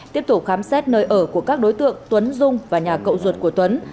tiếp tục khám xét nơi ở của các đối tượng tuấn dung và nhà cậu ruột của tuấn